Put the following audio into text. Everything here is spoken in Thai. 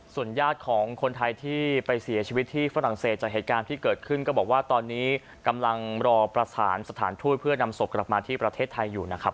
ส่วนญาติของคนไทยที่ไปเสียชีวิตที่ฝรั่งเศสจากเหตุการณ์ที่เกิดขึ้นก็บอกว่าตอนนี้กำลังรอประสานสถานทูตเพื่อนำศพกลับมาที่ประเทศไทยอยู่นะครับ